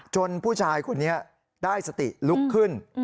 ผู้ชายคนนี้ได้สติลุกขึ้น